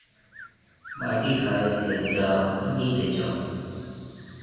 ٻاٽِي کائي ٿَي سجا ٻنِي تي جاو